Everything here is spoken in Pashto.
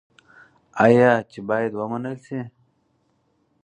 آیا چې باید ومنل شي؟